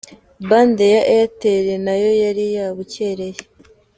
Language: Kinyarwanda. Bande ya Airtel nayo yari yabukereye.